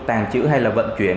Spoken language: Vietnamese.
tàn chữ hay vận chuyển